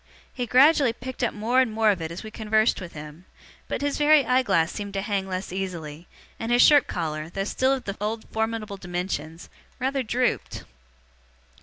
He gradually picked up more and more of it as we conversed with him; but, his very eye glass seemed to hang less easily, and his shirt collar, though still of the old formidable dimensions, rather drooped.